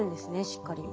しっかり。